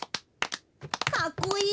かっこいい。